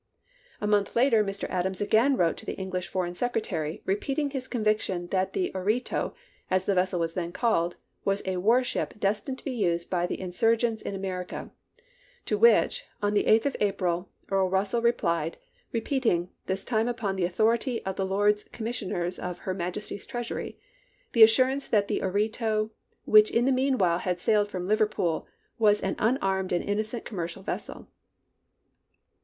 A month later Mr. Adams again wi'ote to the English Foreign Secretary repeating his convic tion that the Oreto, as the vessel was then called, was a war ship destined to be used by the insur 1862 gents in America ; to which, on the 8th of April, Earl Eussell replied, repeating, this time upon the authority of the Lords Commissioners of Her Majesty's Treasury, the assm'ance that the Oreto, which in the mean while had sailed from Liverpool, was an unarmed and innocent commercial vessel.